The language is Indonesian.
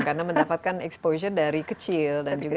karena mendapatkan exposure dari kecil dan juga